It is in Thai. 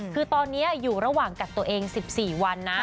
คือตอนนี้อยู่ระหว่างกักตัวเอง๑๔วันนะ